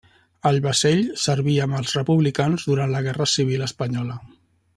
El vaixell serví amb els republicans durant la Guerra Civil espanyola.